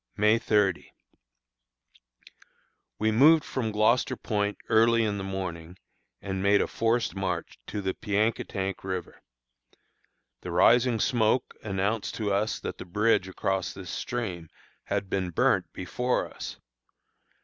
May 30. We moved from Gloucester Point early in the morning, and made a forced march to the Piankatank River. The rising smoke announced to us that the bridge across this stream had been burnt before us.